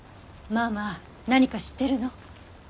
ママ何か知ってるの？